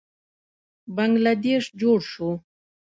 بنګله دیش جوړ شو.